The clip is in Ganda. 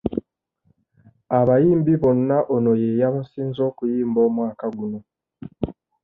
Abayimbi bonna ono ye yabasinze okuyimba omwaka guno.